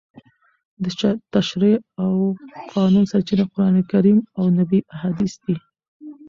د تشریع او قانون سرچینه قرانکریم او نبوي احادیث دي.